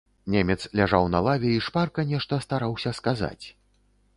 Немец ляжаў на лаве і шпарка нешта стараўся сказаць.